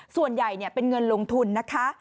ส่วนใหญ่เป็นเงินลงทุนนะคะ